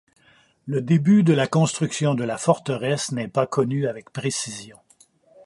Le début de la construction de la forteresse n'est pas connu avec précision.